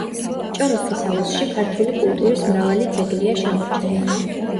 ჭოროხის აუზში ქართული კულტურის მრავალი ძეგლია შემორჩენილი.